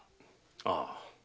ああ。